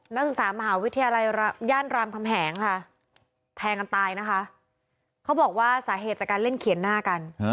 นักศึกษามหาวิทยาลัยย่านรามคำแหงค่ะแทงกันตายนะคะเขาบอกว่าสาเหตุจากการเล่นเขียนหน้ากัน